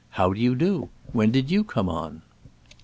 How do you do? When did you come on?"